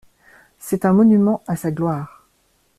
C'est un monument à sa gloire.